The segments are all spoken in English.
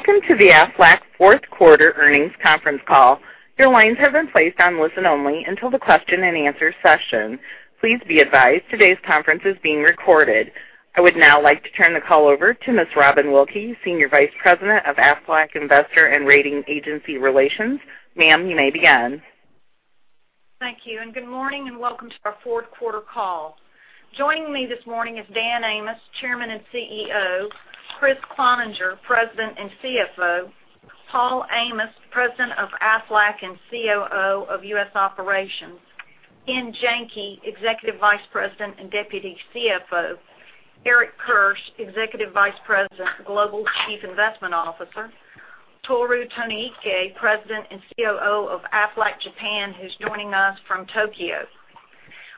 Welcome to the Aflac fourth quarter earnings conference call. Your lines have been placed on listen only until the question and answer session. Please be advised today's conference is being recorded. I would now like to turn the call over to Ms. Robin Wilkey, Senior Vice President of Aflac Investor and Rating Agency Relations. Ma'am, you may begin. Thank you. Good morning, and welcome to our fourth quarter call. Joining me this morning is Dan Amos, Chairman and CEO, Kriss Cloninger, President and CFO, Paul Amos, President of Aflac and COO of U.S. Operations, Kenneth S. Janke Jr., Executive Vice President and Deputy CFO, Eric Kirsch, Executive Vice President, Global Chief Investment Officer, Tohru Tonoike, President and COO of Aflac Japan, who's joining us from Tokyo.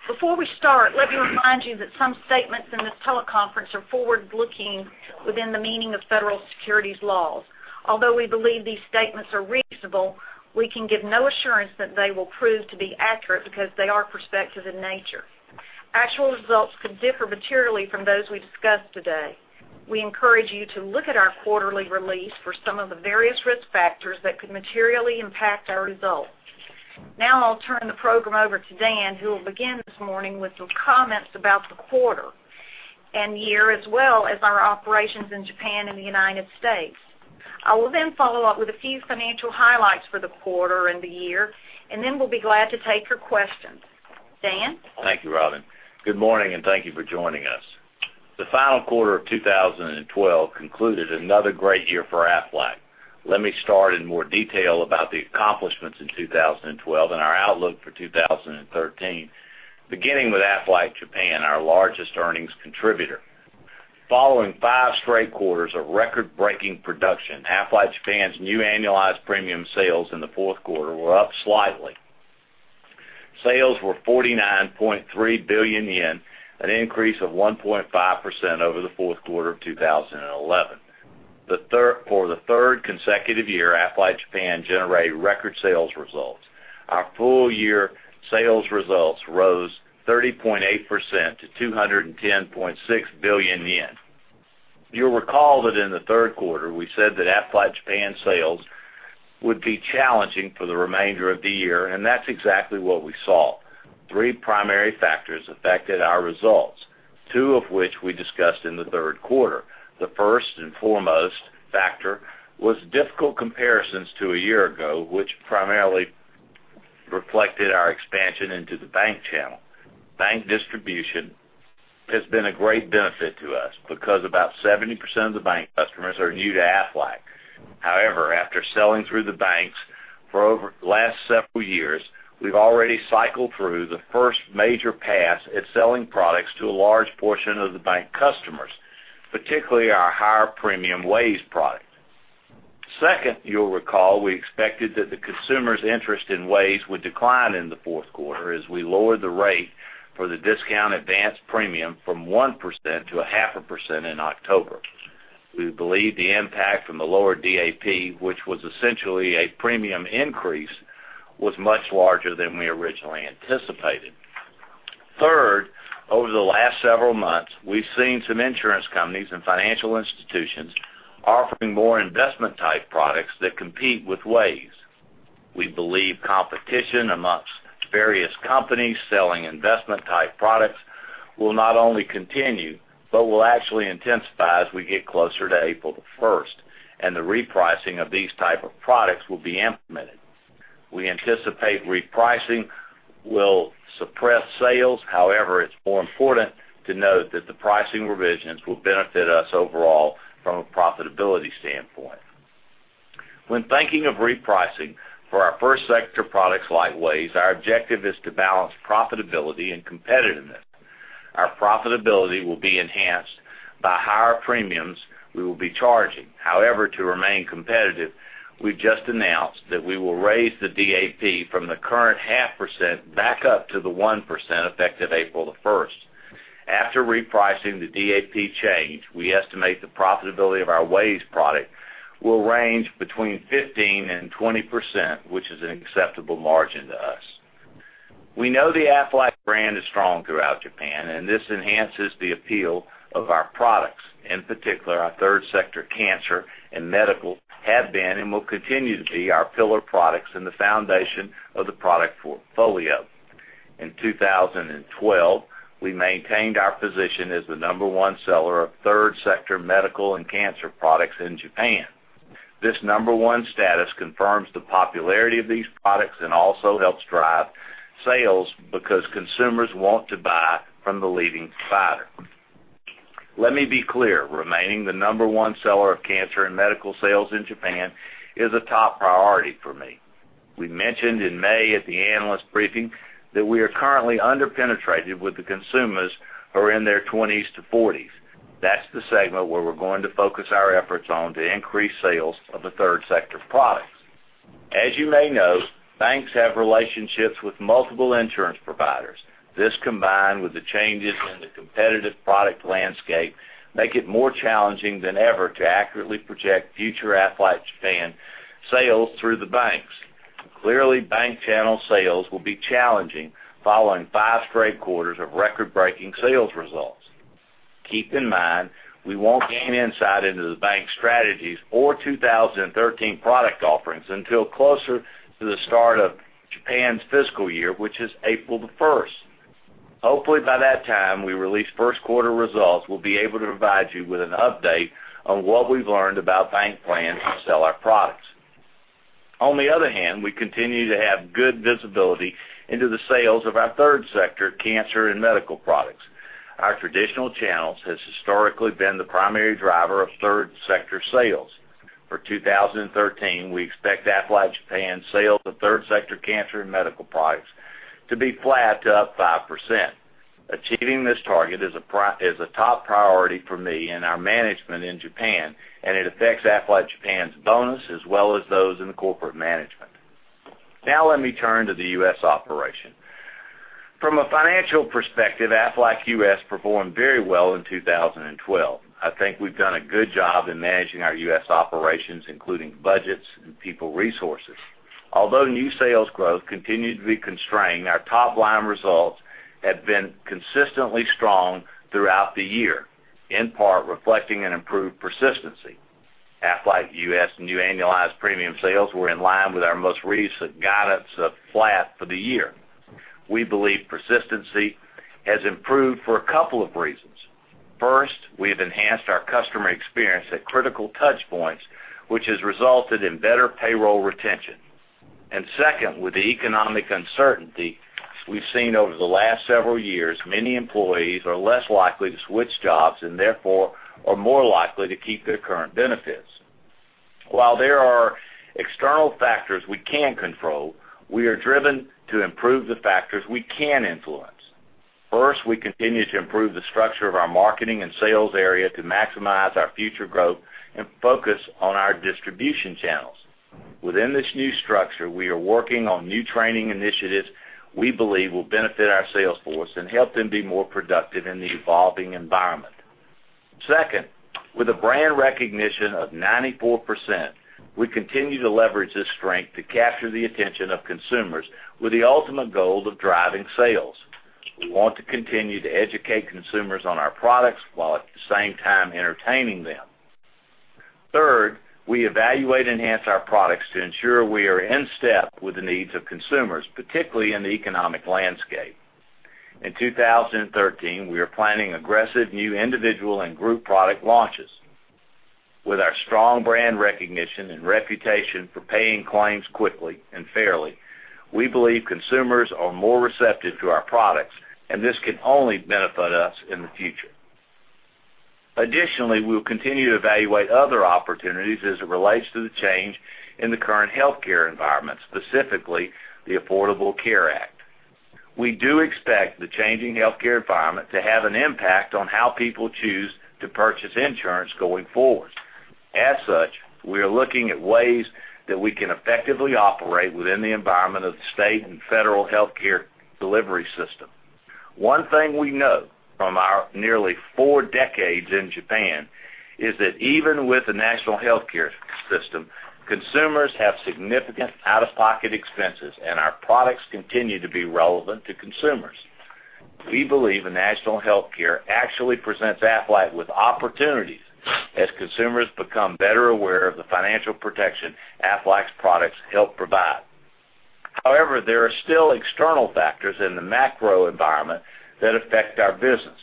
Before we start, let me remind you that some statements in this teleconference are forward-looking within the meaning of Federal Securities Laws. Although we believe these statements are reasonable, we can give no assurance that they will prove to be accurate because they are prospective in nature. Actual results could differ materially from those we discuss today. We encourage you to look at our quarterly release for some of the various risk factors that could materially impact our results. Now I'll turn the program over to Dan, who will begin this morning with some comments about the quarter and year, as well as our operations in Japan and the United States. I will then follow up with a few financial highlights for the quarter and the year. Then we'll be glad to take your questions. Dan? Thank you, Robin. Good morning. Thank you for joining us. The final quarter of 2012 concluded another great year for Aflac. Let me start in more detail about the accomplishments in 2012 and our outlook for 2013, beginning with Aflac Japan, our largest earnings contributor. Following five straight quarters of record-breaking production, Aflac Japan's new annualized premium sales in the fourth quarter were up slightly. Sales were 49.3 billion yen, an increase of 1.5% over the fourth quarter of 2011. For the third consecutive year, Aflac Japan generated record sales results. Our full-year sales results rose 30.8% to 210.6 billion yen. You'll recall that in the third quarter, we said that Aflac Japan sales would be challenging for the remainder of the year. That's exactly what we saw. Three primary factors affected our results, two of which we discussed in the third quarter. The first and foremost factor was difficult comparisons to a year ago, which primarily reflected our expansion into the bank channel. Bank distribution has been a great benefit to us because about 70% of the bank customers are new to Aflac. However, after selling through the banks for over the last several years, we've already cycled through the first major pass at selling products to a large portion of the bank customers, particularly our higher premium WAYS product. Second, you'll recall we expected that the consumer's interest in WAYS would decline in the fourth quarter as we lowered the rate for the discount advance premium from 1% to 0.5% in October. We believe the impact from the lower DAP, which was essentially a premium increase, was much larger than we originally anticipated. Third, over the last several months, we've seen some insurance companies and financial institutions offering more investment-type products that compete with WAYS. We believe competition amongst various companies selling investment-type products will not only continue but will actually intensify as we get closer to April the 1st and the repricing of these type of products will be implemented. We anticipate repricing will suppress sales. However, it's more important to note that the pricing revisions will benefit us overall from a profitability standpoint. When thinking of repricing for our first sector products like WAYS, our objective is to balance profitability and competitiveness. Our profitability will be enhanced by higher premiums we will be charging. However, to remain competitive, we just announced that we will raise the DAP from the current 0.5% back up to the 1% effective April the 1st. After repricing the DAP change, we estimate the profitability of our WAYS product will range between 15% and 20%, which is an acceptable margin to us. We know the Aflac brand is strong throughout Japan, and this enhances the appeal of our products. In particular, our third sector, cancer and medical, have been and will continue to be our pillar products and the foundation of the product portfolio. In 2012, we maintained our position as the number one seller of third sector medical and cancer products in Japan. This number one status confirms the popularity of these products and also helps drive sales because consumers want to buy from the leading provider. Let me be clear, remaining the number one seller of cancer and medical sales in Japan is a top priority for me. We mentioned in May at the analyst briefing that we are currently under-penetrated with the consumers who are in their 20s to 40s. That's the segment where we're going to focus our efforts on to increase sales of the third sector products. As you may know, banks have relationships with multiple insurance providers. This, combined with the changes in the competitive product landscape, make it more challenging than ever to accurately project future Aflac Japan sales through the banks. Clearly, bank channel sales will be challenging following five straight quarters of record-breaking sales results. Keep in mind, we won't gain insight into the bank's strategies or 2013 product offerings until closer to the start of Japan's fiscal year, which is April the 1st. Hopefully by that time we release first quarter results, we'll be able to provide you with an update on what we've learned about bank plans to sell our products. We continue to have good visibility into the sales of our third sector, cancer and medical products. Our traditional channels has historically been the primary driver of third sector sales. For 2013, we expect Aflac Japan's sale of third sector cancer and medical products to be flat to up 5%. Achieving this target is a top priority for me and our management in Japan, and it affects Aflac Japan's bonus as well as those in the corporate management. Let me turn to the U.S. operation. From a financial perspective, Aflac U.S. performed very well in 2012. I think we've done a good job in managing our U.S. operations, including budgets and people resources. New sales growth continued to be constrained, our top-line results have been consistently strong throughout the year, in part reflecting an improved persistency. Aflac U.S. new annualized premium sales were in line with our most recent guidance of flat for the year. We believe persistency has improved for a couple of reasons. First, we have enhanced our customer experience at critical touchpoints, which has resulted in better payroll retention. Second, with the economic uncertainty we've seen over the last several years, many employees are less likely to switch jobs and therefore are more likely to keep their current benefits. While there are external factors we can't control, we are driven to improve the factors we can influence. First, we continue to improve the structure of our marketing and sales area to maximize our future growth and focus on our distribution channels. Within this new structure, we are working on new training initiatives we believe will benefit our sales force and help them be more productive in the evolving environment. Second, with a brand recognition of 94%, we continue to leverage this strength to capture the attention of consumers with the ultimate goal of driving sales. We want to continue to educate consumers on our products while at the same time entertaining them. Third, we evaluate and enhance our products to ensure we are in step with the needs of consumers, particularly in the economic landscape. In 2013, we are planning aggressive new individual and group product launches. With our strong brand recognition and reputation for paying claims quickly and fairly, we believe consumers are more receptive to our products, this can only benefit us in the future. We will continue to evaluate other opportunities as it relates to the change in the current healthcare environment, specifically the Affordable Care Act. We do expect the changing healthcare environment to have an impact on how people choose to purchase insurance going forward. We are looking at ways that we can effectively operate within the environment of the state and federal healthcare delivery system. One thing we know from our nearly four decades in Japan is that even with the national healthcare system, consumers have significant out-of-pocket expenses, our products continue to be relevant to consumers. We believe a national healthcare actually presents Aflac with opportunities as consumers become better aware of the financial protection Aflac's products help provide. There are still external factors in the macro environment that affect our business.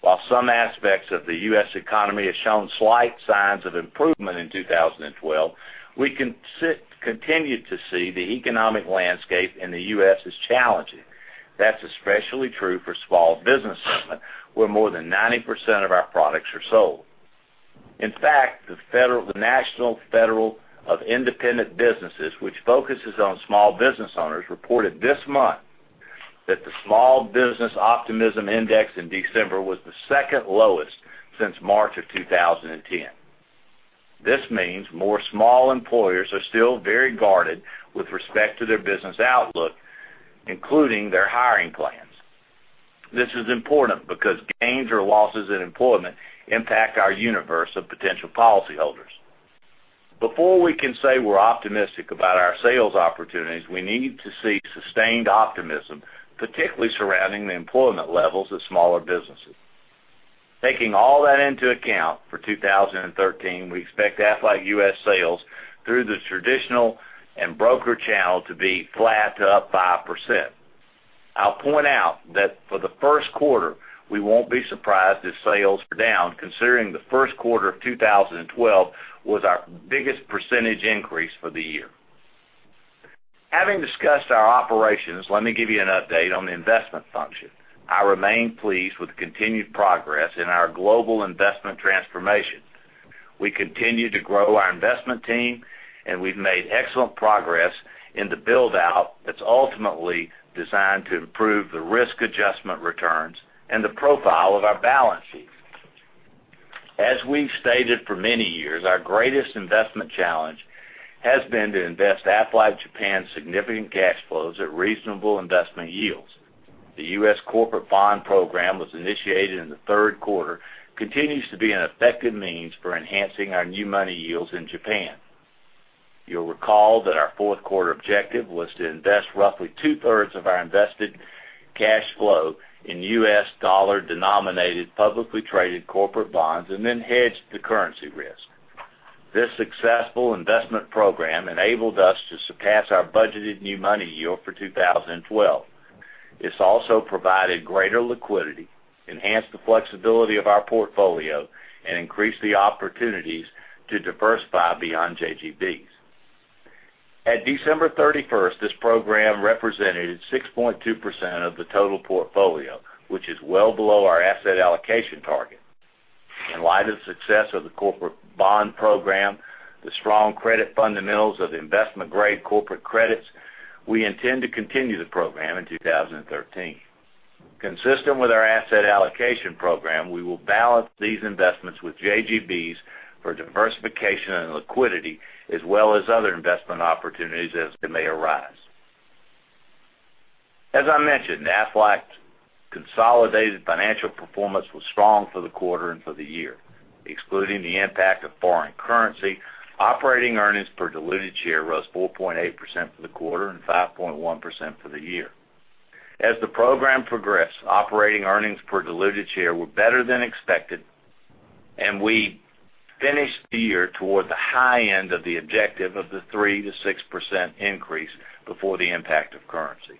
While some aspects of the U.S. economy have shown slight signs of improvement in 2012, we continue to see the economic landscape in the U.S. is challenging. That is especially true for small business segment, where more than 90% of our products are sold. In fact, the National Federation of Independent Business, which focuses on small business owners, reported this month that the small business optimism index in December was the second lowest since March of 2010. This means more small employers are still very guarded with respect to their business outlook, including their hiring plans. This is important because gains or losses in employment impact our universe of potential policyholders. Before we can say we are optimistic about our sales opportunities, we need to see sustained optimism, particularly surrounding the employment levels of smaller businesses. Taking all that into account for 2013, we expect Aflac U.S. sales through the traditional and broker channel to be flat to up 5%. I will point out that for the first quarter, we won't be surprised if sales are down, considering the first quarter of 2012 was our biggest percentage increase for the year. Having discussed our operations, let me give you an update on the investment function. I remain pleased with the continued progress in our global investment transformation. We continue to grow our investment team, and we've made excellent progress in the build-out that is ultimately designed to improve the risk adjustment returns and the profile of our balance sheet. As we've stated for many years, our greatest investment challenge has been to invest Aflac Japan's significant cash flows at reasonable investment yields. The U.S. corporate bond program was initiated in the third quarter, continues to be an effective means for enhancing our new money yields in Japan. You will recall that our fourth quarter objective was to invest roughly two-thirds of our invested cash flow in U.S. dollar-denominated, publicly traded corporate bonds, and then hedge the currency risk. This successful investment program enabled us to surpass our budgeted new money yield for 2012. It has also provided greater liquidity, enhanced the flexibility of our portfolio, and increased the opportunities to diversify beyond JGBs. At December 31st, this program represented 6.2% of the total portfolio, which is well below our asset allocation target. In light of the success of the corporate bond program, the strong credit fundamentals of investment-grade corporate credits, we intend to continue the program in 2013. Consistent with our asset allocation program, we will balance these investments with JGBs for diversification and liquidity, as well as other investment opportunities as they may arise. As I mentioned, Aflac's consolidated financial performance was strong for the quarter and for the year. Excluding the impact of foreign currency, operating earnings per diluted share rose 4.8% for the quarter and 5.1% for the year. As the program progressed, operating earnings per diluted share were better than expected, and we finished the year toward the high end of the objective of the 3%-6% increase before the impact of currency.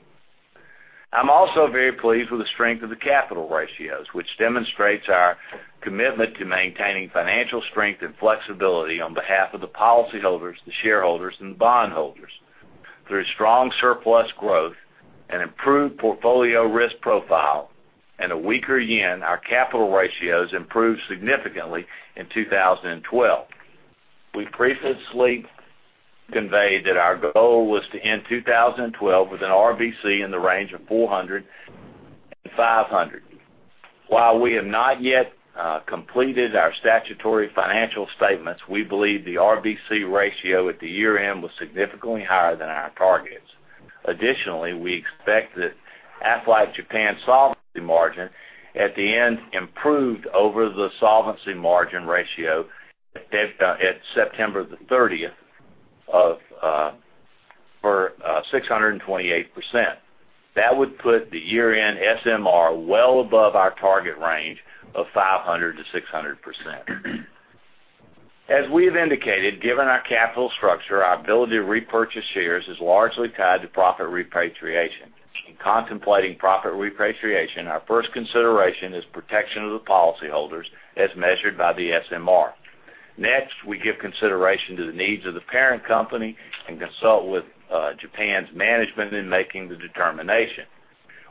I am also very pleased with the strength of the capital ratios, which demonstrates our commitment to maintaining financial strength and flexibility on behalf of the policyholders, the shareholders, and bondholders. Through strong surplus growth and improved portfolio risk profile and a weaker yen, our capital ratios improved significantly in 2012. We previously conveyed that our goal was to end 2012 with an RBC in the range of 400-500. While we have not yet completed our statutory financial statements, we believe the RBC ratio at the year-end was significantly higher than our targets. Additionally, we expect that Aflac Japan's solvency margin at the end improved over the solvency margin ratio at September the 30th for 628%. That would put the year-end SMR well above our target range of 500%-600%. As we have indicated, given our capital structure, our ability to repurchase shares is largely tied to profit repatriation. In contemplating profit repatriation, our first consideration is protection of the policyholders as measured by the SMR. Next, we give consideration to the needs of the parent company and consult with Japan's management in making the determination.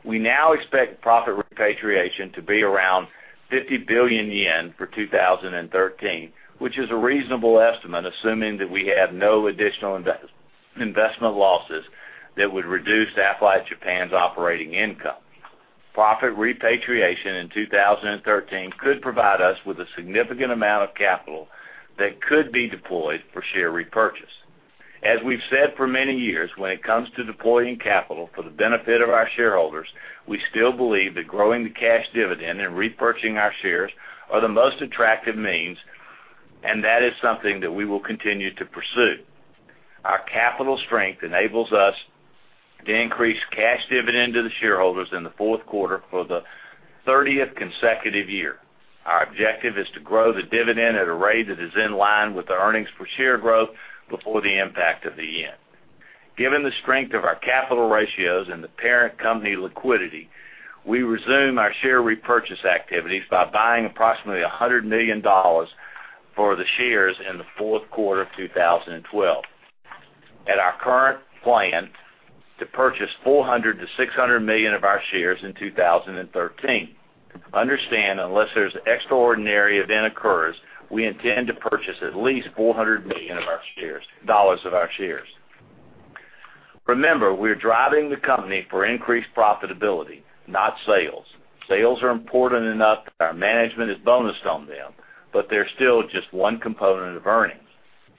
We now expect profit repatriation to be around 50 billion yen for 2013, which is a reasonable estimate, assuming that we have no additional investment losses that would reduce Aflac Japan's operating income. Profit repatriation in 2013 could provide us with a significant amount of capital that could be deployed for share repurchase. As we've said for many years, when it comes to deploying capital for the benefit of our shareholders, we still believe that growing the cash dividend and repurchasing our shares are the most attractive means. That is something that we will continue to pursue. Our capital strength enables us to increase cash dividend to the shareholders in the fourth quarter for the 30th consecutive year. Our objective is to grow the dividend at a rate that is in line with the earnings per share growth before the impact of the yen. Given the strength of our capital ratios and the parent company liquidity, we resume our share repurchase activities by buying approximately $100 million for the shares in the fourth quarter of 2012. Our current plan to purchase $400 million-$600 million of our shares in 2013. Understand, unless there's extraordinary event occurs, we intend to purchase at least $400 million of our shares. Remember, we're driving the company for increased profitability, not sales. Sales are important enough that our management is bonused on them, but they're still just one component of earnings.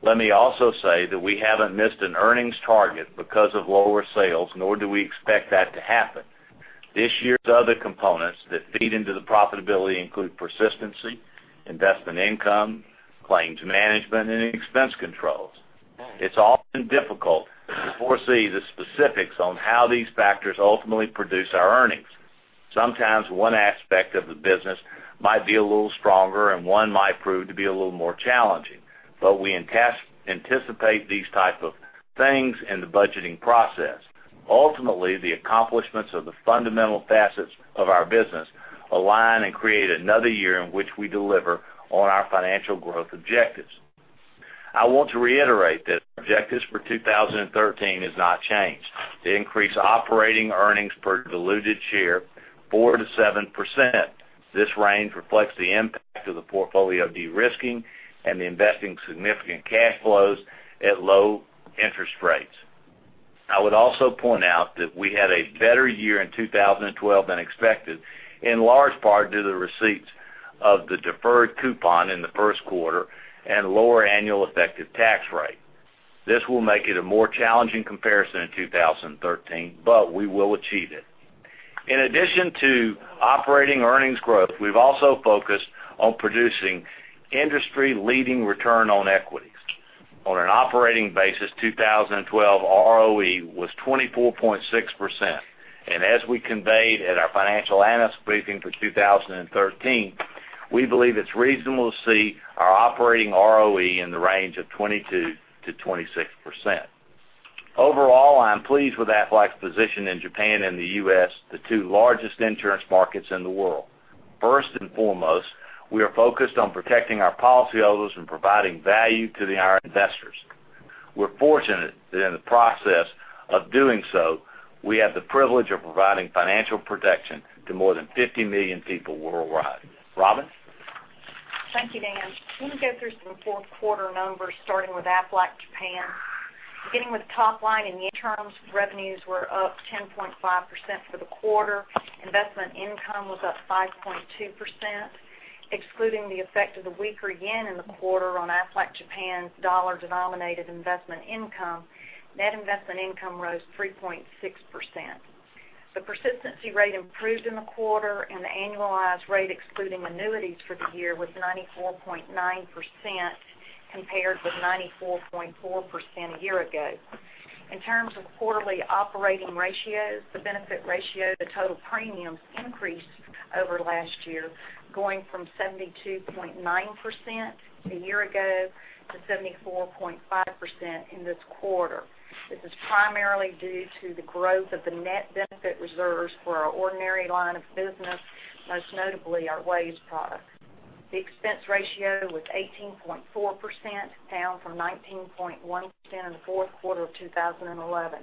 Let me also say that we haven't missed an earnings target because of lower sales, nor do we expect that to happen. This year's other components that feed into the profitability include persistency, investment income, claims management, and expense controls. It's often difficult to foresee the specifics on how these factors ultimately produce our earnings. Sometimes one aspect of the business might be a little stronger and one might prove to be a little more challenging, but we anticipate these type of things in the budgeting process. Ultimately, the accomplishments of the fundamental facets of our business align and create another year in which we deliver on our financial growth objectives. I want to reiterate that our objectives for 2013 has not changed. To increase operating earnings per diluted share 4%-7%. This range reflects the impact of the portfolio de-risking and investing significant cash flows at low interest rates. I would also point out that we had a better year in 2012 than expected, in large part due to the receipts of the deferred coupon in the first quarter and lower annual effective tax rate. This will make it a more challenging comparison in 2013, but we will achieve it. In addition to operating earnings growth, we've also focused on producing industry-leading return on equities. On an operating basis, 2012 ROE was 24.6%, and as we conveyed at our Financial Analyst Briefing for 2013, we believe it's reasonable to see our operating ROE in the range of 22%-26%. Overall, I am pleased with Aflac's position in Japan and the U.S., the two largest insurance markets in the world. First and foremost, we are focused on protecting our policyholders and providing value to our investors. We're fortunate that in the process of doing so, we have the privilege of providing financial protection to more than 50 million people worldwide. Robin? Thank you, Dan. Let me go through some fourth quarter numbers, starting with Aflac Japan. Beginning with the top line in the internal revenues were up 10.5% for the quarter. Investment income was up 5.2%, excluding the effect of the weaker yen in the quarter on Aflac Japan's dollar-denominated investment income. Net investment income rose 3.6%. The persistency rate improved in the quarter, and the annualized rate, excluding annuities for the year, was 94.9%, compared with 94.4% a year ago. In terms of quarterly operating ratios, the benefit ratio to total premiums increased over last year, going from 72.9% a year ago to 74.5% in this quarter. This is primarily due to the growth of the net benefit reserves for our ordinary line of business, most notably our WAYS product. The expense ratio was 18.4%, down from 19.1% in the fourth quarter of 2011.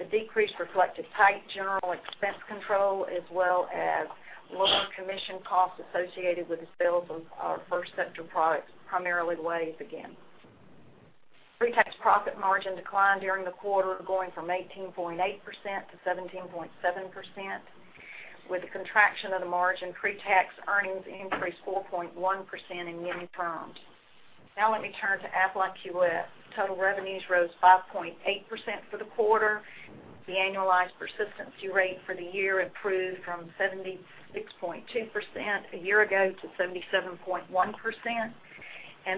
The decrease reflected tight general expense control, as well as lower commission costs associated with the sales of our first sector products, primarily WAYS again. Pre-tax profit margin declined during the quarter, going from 18.8% to 17.7%, with a contraction of the margin pre-tax earnings increased 4.1% in yen terms. Now let me turn to Aflac US. Total revenues rose 5.8% for the quarter. The annualized persistency rate for the year improved from 76.2% a year ago to 77.1%.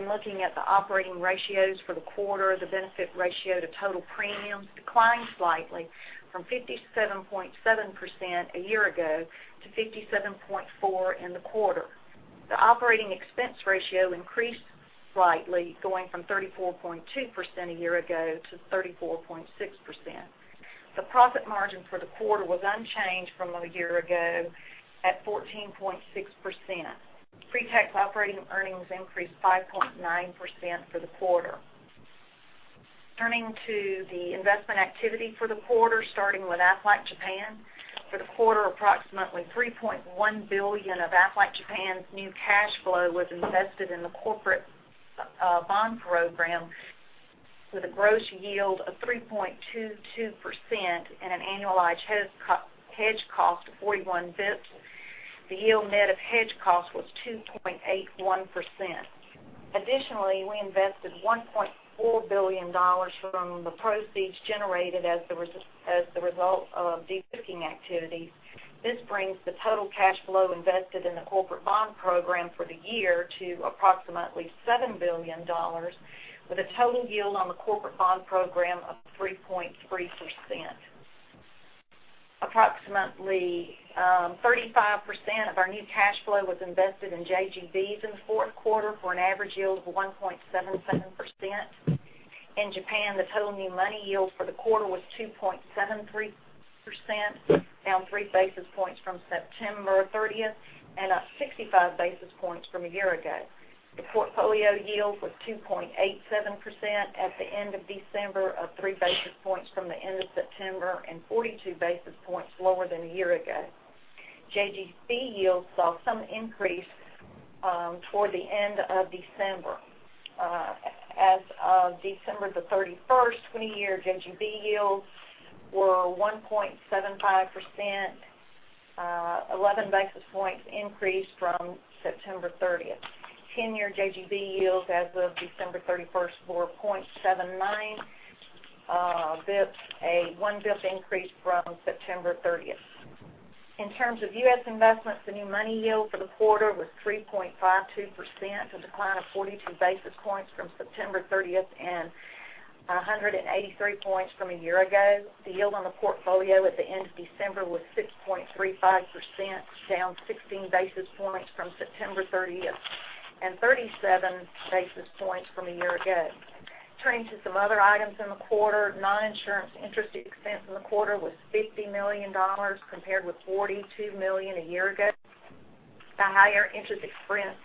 Looking at the operating ratios for the quarter, the benefit ratio to total premiums declined slightly from 57.7% a year ago to 57.4% in the quarter. The operating expense ratio increased slightly, going from 34.2% a year ago to 34.6%. The profit margin for the quarter was unchanged from a year ago at 14.6%. Pre-tax operating earnings increased 5.9% for the quarter. Turning to the investment activity for the quarter, starting with Aflac Japan. For the quarter, approximately $3.1 billion of Aflac Japan's new cash flow was invested in the corporate bond program with a gross yield of 3.22% and an annualized hedge cost of 41 basis points. The yield net of hedge cost was 2.81%. Additionally, we invested $1.4 billion from the proceeds generated as the result of de-booking activities. This brings the total cash flow invested in the corporate bond program for the year to approximately $7 billion, with a total yield on the corporate bond program of 3.3%. Approximately 35% of our new cash flow was invested in JGBs in the fourth quarter for an average yield of 1.77%. In Japan, the total new money yield for the quarter was 2.73%, down three basis points from September 30th and up 65 basis points from a year ago. The portfolio yield was 2.87% at the end of December, up three basis points from the end of September and 42 basis points lower than a year ago. JGB yields saw some increase toward the end of December. As of December 31st, 20-year JGB yields were 1.75%, 11 basis points increase from September 30th. 10-year JGB yields as of December 31st were 0.79 basis points, a one basis point increase from September 30th. In terms of U.S. investments, the new money yield for the quarter was 3.52%, a decline of 42 basis points from September 30th and 183 points from a year ago. The yield on the portfolio at the end of December was 6.35%, down 16 basis points from September 30th and 37 basis points from a year ago. Turning to some other items in the quarter. Non-insurance interest expense in the quarter was $50 million, compared with $42 million a year ago. The higher interest expense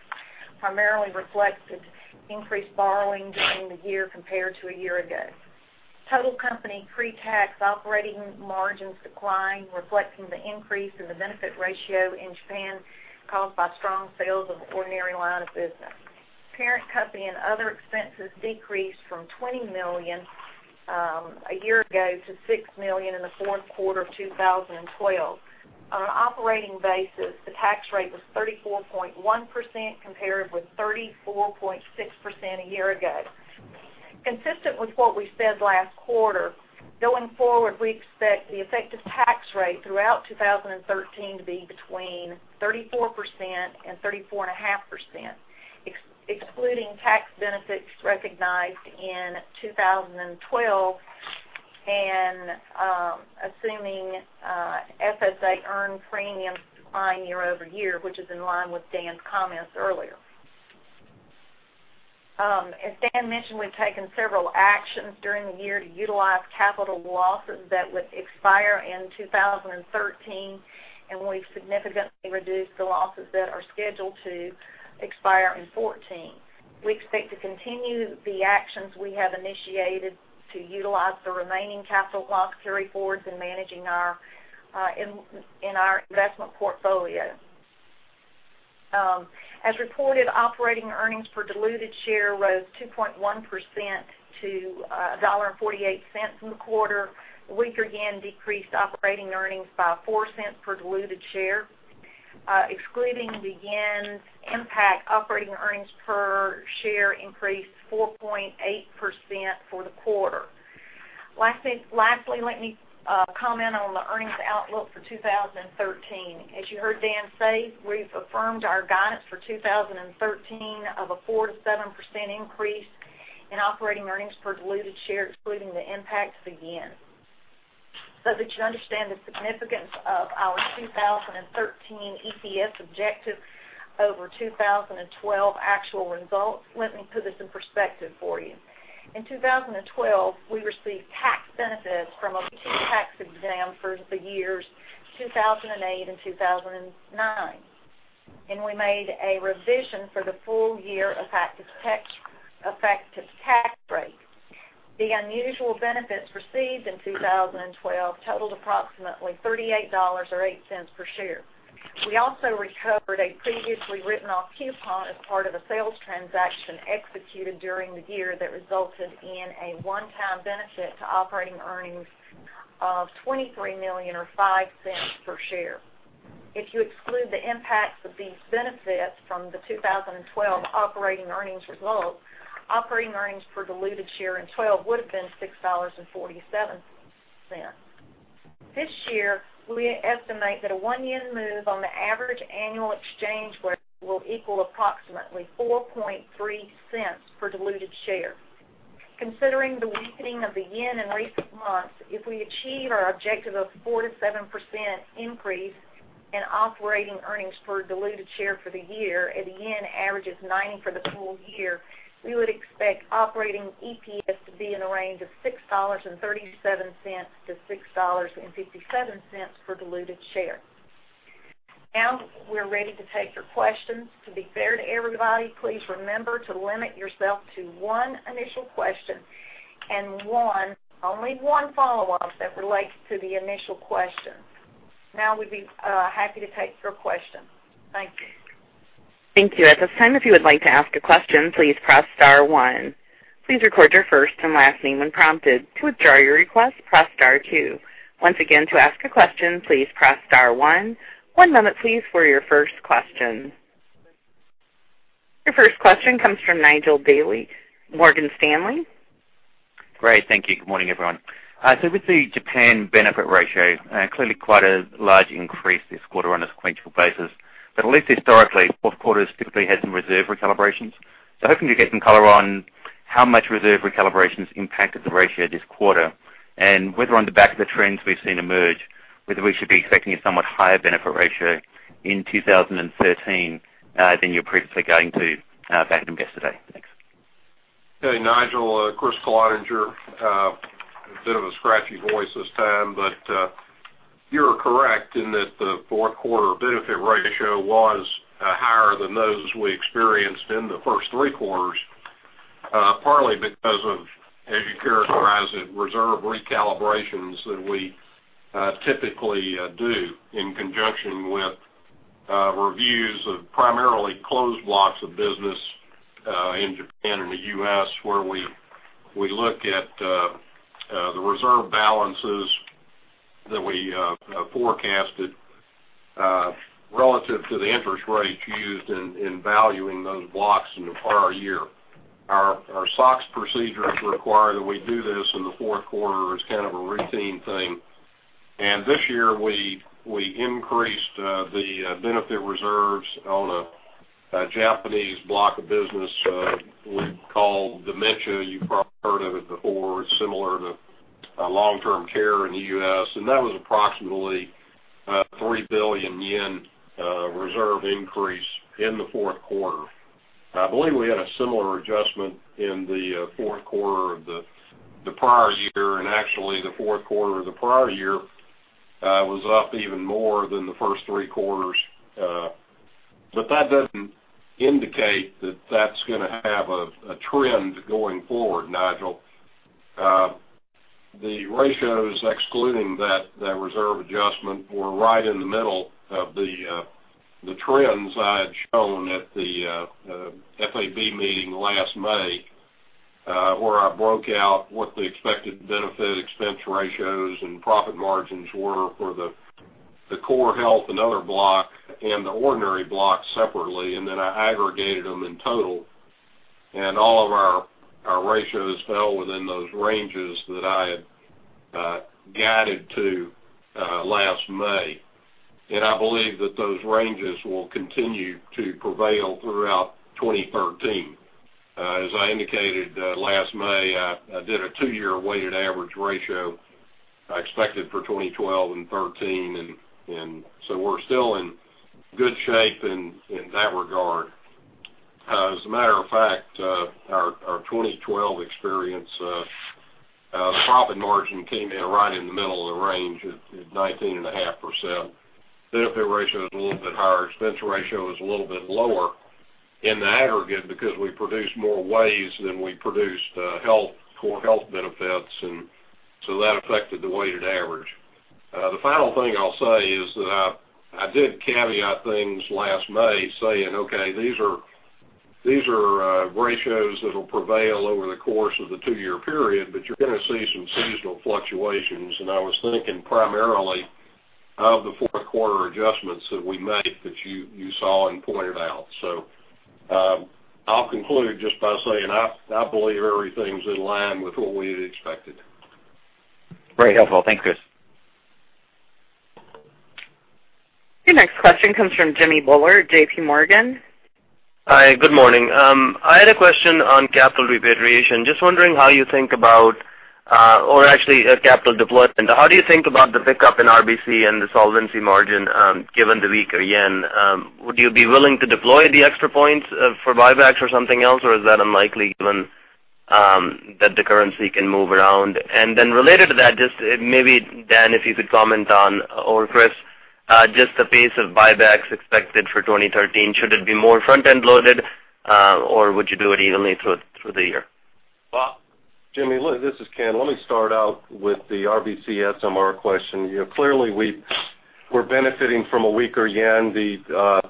primarily reflected increased borrowing during the year compared to a year ago. Total company pre-tax operating margins declined, reflecting the increase in the benefit ratio in Japan caused by strong sales of ordinary line of business. Parent company and other expenses decreased from $20 million a year ago to $6 million in the fourth quarter of 2012. On an operating basis, the tax rate was 34.1% compared with 34.6% a year ago. Consistent with what we said last quarter, going forward, we expect the effective tax rate throughout 2013 to be between 34%-34.5%, excluding tax benefits recognized in 2012 and assuming FSA earned premiums decline year-over-year, which is in line with Dan's comments earlier. As Dan mentioned, we've taken several actions during the year to utilize capital losses that would expire in 2013, we've significantly reduced the losses that are scheduled to expire in 2014. We expect to continue the actions we have initiated to utilize the remaining capital loss carryforwards in managing our investment portfolio. As reported, operating earnings per diluted share rose 2.1% to $1.48 in the quarter. Weaker yen decreased operating earnings by $0.04 per diluted share. Excluding the yen impact, operating earnings per share increased 4.8% for the quarter. Lastly, let me comment on the earnings outlook for 2013. As you heard Dan say, we've affirmed our guidance for 2013 of a 4%-7% increase in operating earnings per diluted share, excluding the impacts of the yen. That you understand the significance of our 2013 EPS objective over 2012 actual results, let me put this in perspective for you. In 2012, we received tax benefits from a tax exam for the years 2008 and 2009, we made a revision for the full year effective tax rate. The unusual benefits received in 2012 totaled approximately $38 or $0.08 per share. We also recovered a previously written off coupon as part of a sales transaction executed during the year that resulted in a one-time benefit to operating earnings of $23 million or $0.05 per share. If you exclude the impacts of these benefits from the 2012 operating earnings results, operating earnings per diluted share in 2012 would've been $6.47. This year, we estimate that a one yen move on the average annual exchange rate will equal approximately $0.0430 per diluted share. Considering the weakening of the yen in recent months, if we achieve our objective of 4%-7% increase in operating earnings per diluted share for the year and the yen averages 90 for the full year, we would expect operating EPS to be in the range of $6.37-$6.57 per diluted share. We are ready to take your questions. To be fair to everybody, please remember to limit yourself to one initial question and only one follow-up that relates to the initial question. We would be happy to take your question. Thank you. Thank you. At this time, if you would like to ask a question, please press star one. Please record your first and last name when prompted. To withdraw your request, press star two. Once again, to ask a question, please press star one. One moment please for your first question. Your first question comes from Nigel Dally, Morgan Stanley. Great. Thank you. Good morning, everyone. With the Japan benefit ratio, clearly quite a large increase this quarter on a sequential basis, at least historically, fourth quarters typically had some reserve recalibrations. Hoping to get some color on how much reserve recalibrations impacted the ratio this quarter and whether on the back of the trends we've seen emerge, whether we should be expecting a somewhat higher benefit ratio in 2013 than you're previously guiding to back in yesterday. Thanks. Hey, Nigel. Kriss Cloninger. A bit of a scratchy voice this time, you are correct in that the fourth quarter benefit ratio was higher than those we experienced in the first three quarters, partly because of, as you characterize it, reserve recalibrations that we typically do in conjunction with reviews of primarily closed blocks of business in Japan and the U.S. where we look at the reserve balances that we forecasted relative to the interest rate used in valuing those blocks in the prior year. Our SOX procedures require that we do this in the fourth quarter as kind of a routine thing. This year we increased the benefit reserves on a Japanese block of business we call Dementia. You've probably heard of it before. It's similar to long-term care in the U.S., and that was approximately 3 billion yen reserve increase in the fourth quarter. I believe we had a similar adjustment in the fourth quarter of the prior year, and actually the fourth quarter of the prior year was up even more than the first three quarters. That doesn't indicate that that's going to have a trend going forward, Nigel. The ratios excluding that reserve adjustment were right in the middle of the trends I had shown at the FAB meeting last May, where I broke out what the expected benefit expense ratios and profit margins were for the core health and other block and the ordinary block separately. Then I aggregated them in total, and all of our ratios fell within those ranges that I had guided to last May. I believe that those ranges will continue to prevail throughout 2013. As I indicated, last May, I did a two-year weighted average ratio I expected for 2012 and 2013 so we're still in good shape in that regard. As a matter of fact, our 2012 experience, the profit margin came in right in the middle of the range at 19.5%. Benefit ratio is a little bit higher, expense ratio is a little bit lower in the aggregate because we produced more WAYS than we produced core health benefits, and so that affected the weighted average. The final thing I'll say is that I did caveat things last May saying, "Okay, these are ratios that'll prevail over the course of the two-year period, but you're going to see some seasonal fluctuations." I was thinking primarily of the fourth quarter adjustments that we make, that you saw and pointed out. I'll conclude just by saying, I believe everything's in line with what we had expected. Very helpful. Thank you. Your next question comes from Jimmy Bhullar, JPMorgan. Hi, good morning. I had a question on capital repatriation. Just wondering how you think about, actually, capital deployment. How do you think about the pickup in RBC and the solvency margin, given the weaker yen? Would you be willing to deploy the extra points for buybacks or something else, or is that unlikely given that the currency can move around? Then related to that, just maybe, Dan, if you could comment on, or Chris, just the pace of buybacks expected for 2013. Should it be more front-end loaded, or would you do it evenly through the year? Jimmy, this is Ken. Let me start out with the RBC SMR question. Clearly, we're benefiting from a weaker yen. The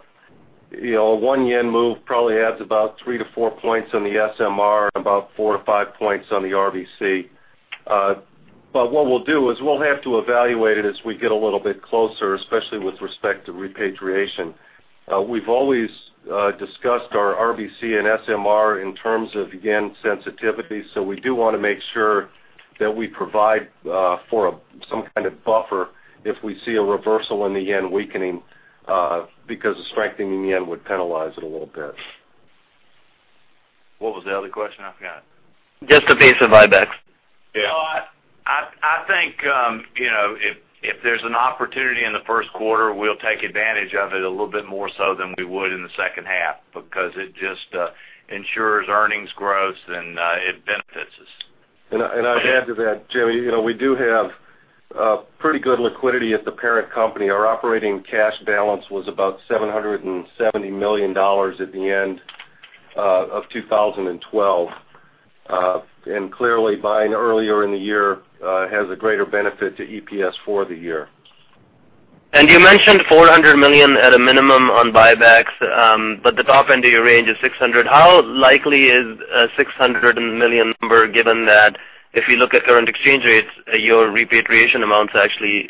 one yen move probably adds about three to four points on the SMR and about four or five points on the RBC. What we'll do is we'll have to evaluate it as we get a little bit closer, especially with respect to repatriation. We've always discussed our RBC and SMR in terms of yen sensitivity. We do want to make sure that we provide for some kind of buffer if we see a reversal in the yen weakening, because a strengthening yen would penalize it a little bit. What was the other question? I forgot. Just the pace of buybacks. Yeah. I think, if there's an opportunity in the first quarter, we'll take advantage of it a little bit more so than we would in the second half because it just ensures earnings growth, and it benefits us. I'd add to that, Jimmy, we do have pretty good liquidity at the parent company. Our operating cash balance was about $770 million at the end of 2012. Clearly, buying earlier in the year has a greater benefit to EPS for the year. You mentioned $400 million at a minimum on buybacks, but the top end of your range is $600 million. How likely is a $600 million number, given that if you look at current exchange rates, your repatriation amounts actually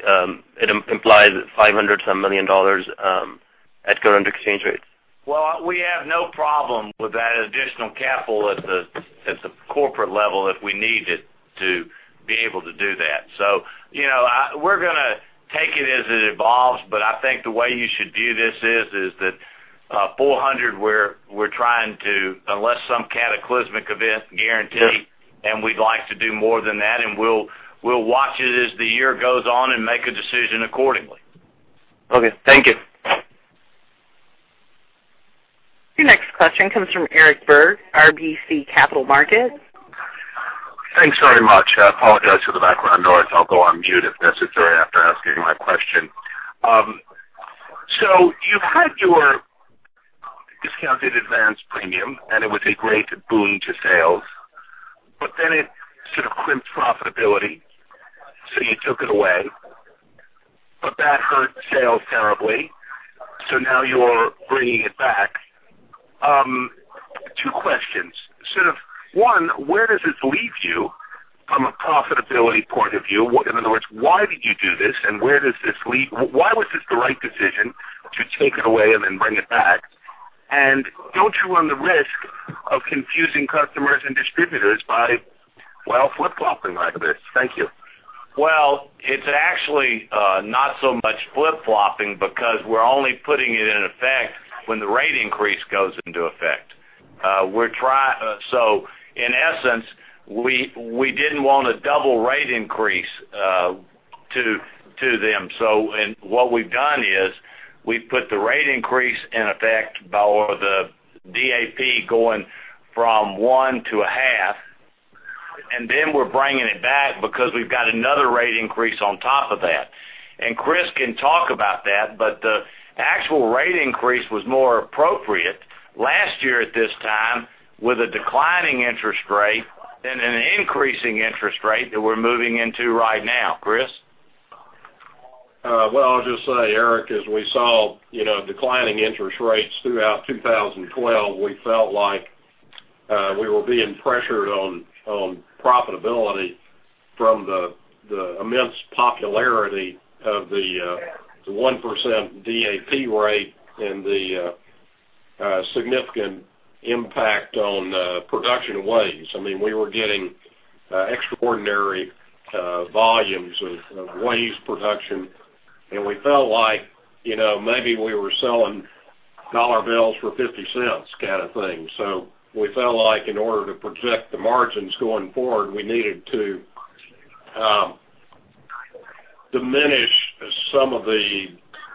implies $500-some million at current exchange rates? We have no problem with that additional capital at the corporate level if we need it to be able to do that. We're going to take it as it evolves, but I think the way you should view this is that $400 million, we're trying to, unless some cataclysmic event, guarantee, and we'd like to do more than that, and we'll watch it as the year goes on and make a decision accordingly. Okay. Thank you. Your next question comes from Eric Berg, RBC Capital Markets. Thanks very much. I apologize for the background noise. I'll go on mute if necessary after asking my question. You've had your discounted advance premium, and it was a great boon to sales. But then it sort of crimped profitability, so you took it away. But that hurt sales terribly, so now you're bringing it back. Two questions. Sort of one, where does this leave you from a profitability point of view? In other words, why did you do this, and why was this the right decision to take it away and then bring it back? Don't you run the risk of confusing customers and distributors by, well, flip-flopping like this? Thank you. Well, it's actually not so much flip-flopping because we're only putting it in effect when the rate increase goes into effect. In essence, we didn't want a double rate increase to them. What we've done is we've put the rate increase in effect by the DAP going from 1% to 0.5%, and then we're bringing it back because we've got another rate increase on top of that. Chris can talk about that, but the actual rate increase was more appropriate last year at this time with a declining interest rate than an increasing interest rate that we're moving into right now. Chris? Well, I'll just say, Eric, as we saw declining interest rates throughout 2012, we felt like we were being pressured on profitability from the immense popularity of the 1% DAP rate and the significant impact on production WAYS. We were getting extraordinary volumes of WAYS production, and we felt like maybe we were selling dollar bills for 50 cents kind of thing. We felt like in order to protect the margins going forward, we needed to diminish some of the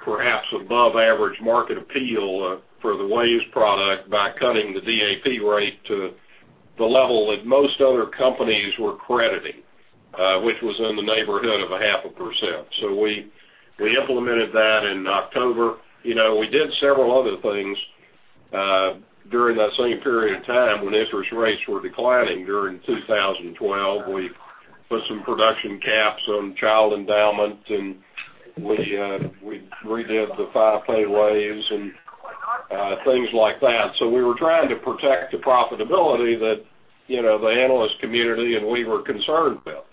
perhaps above average market appeal for the WAYS product by cutting the DAP rate to the level that most other companies were crediting, which was in the neighborhood of 0.5%. We implemented that in October. We did several other things during that same period of time when interest rates were declining during 2012. We put some production caps on child endowment, and we redid the 5-pay WAYS and things like that. We were trying to protect the profitability that the analyst community and we were concerned about.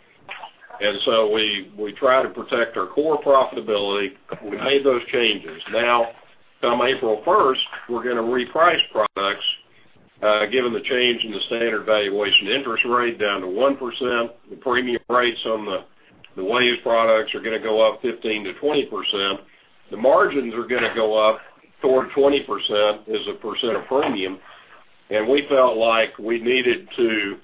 We try to protect our core profitability. We made those changes. Now, come April 1st, we're going to reprice products, given the change in the standard valuation interest rate down to 1%. The premium rates on the WAYS products are going to go up 15%-20%. The margins are going to go up toward 20% as a percent of premium. We felt like we needed to